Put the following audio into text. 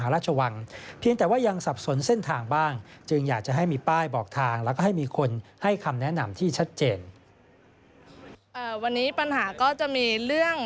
แล้วก็ให้มีคนให้คำแนะนำที่ชัดเจนวันนี้ปัญหาก็จะมีเรื่อง